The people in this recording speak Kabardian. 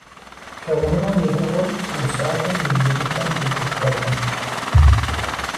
Лъагъуныгъэм и гугъур усакӀуэхэм я бзэгупэм текӀыххэркъым.